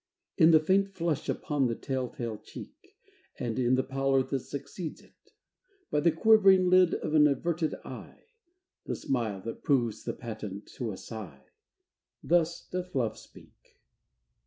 In the faint flush upon the tell tale cheek, And in the pallor that succeeds it; by The quivering lid of an averted eye The smile that proves the patent to a sigh Thus doth Love speak.